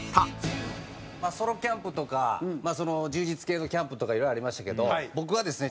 ソロキャンプとか充実系のキャンプとか色々ありましたけど僕はですね